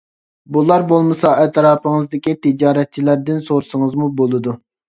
بۇلار بولمىسا ئەتراپىڭىزدىكى تىجارەتچىلەردىن سورىسىڭىزمۇ بولىدۇ.